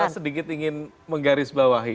saya sedikit ingin menggaris bawahi